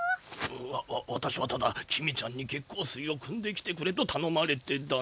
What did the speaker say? わわたしはただ公ちゃんに「月光水をくんできてくれ」とたのまれてだな。